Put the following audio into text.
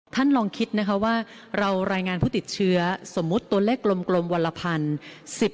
ลองคิดนะคะว่าเรารายงานผู้ติดเชื้อสมมุติตัวเลขกลมวันละพัน